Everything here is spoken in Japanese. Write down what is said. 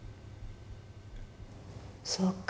そうか。